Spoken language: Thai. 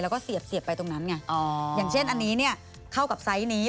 แล้วก็เสียบไปตรงนั้นไงอย่างเช่นอันนี้เนี่ยเข้ากับไซส์นี้